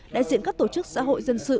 đại diện các tổ chức xã hội dân sự